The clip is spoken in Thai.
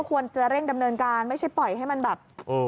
ควรจะเร่งดำเนินการไม่ใช่ปล่อยให้มันแบบ